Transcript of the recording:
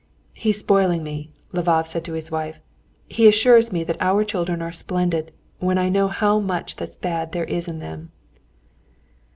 "He's spoiling me," Lvov said to his wife; "he assures me that our children are splendid, when I know how much that's bad there is in them."